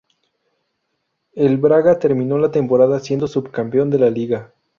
El Braga terminó la temporada siendo subcampeón de la Liga.